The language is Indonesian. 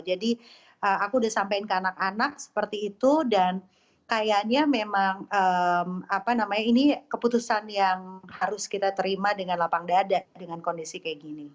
aku udah sampein ke anak anak seperti itu dan kayaknya memang apa namanya ini keputusan yang harus kita terima dengan lapang dada dengan kondisi kayak gini